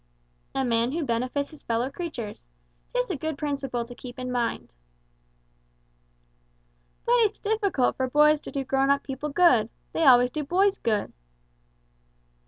"A man who benefits his fellow creatures. 'Tis a good principle to keep in mind." "But it's difficult for boys to do grown up people good. They always do boys good."